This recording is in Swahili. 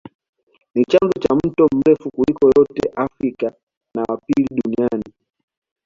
Ni chanzo cha mto mrefu kuliko yote Afrika na wa pili Duniani